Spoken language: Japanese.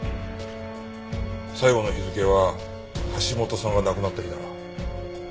最後の日付は橋本さんが亡くなった日だな。